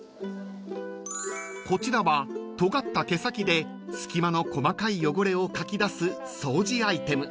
［こちらはとがった毛先で隙間の細かい汚れをかき出す掃除アイテム］